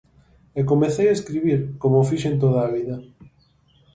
E comecei a escribir, como fixen toda a vida.